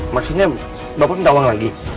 maksudnya bapak minta uang lagi